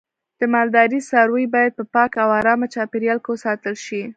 د مالدارۍ څاروی باید په پاکه او آرامه چاپیریال کې وساتل شي.